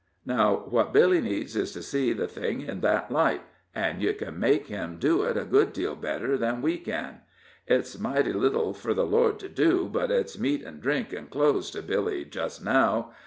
Now, what Billy needs is to see the thing in thet light, an' you ken make him do it a good deal better than we ken. It's, mighty little fur the Lord to do, but it's meat an' drink an' clothes to Billy just now.